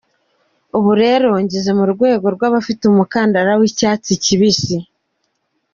Ubu rero ngeze ku rwego rw'abafise umukanda w'icatsi kibisi.